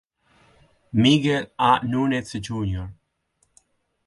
Miguel A. Núñez Jr.